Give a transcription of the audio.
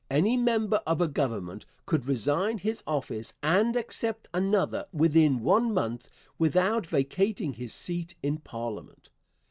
Any member of a government could resign his office and accept another within one month without vacating his seat in parliament.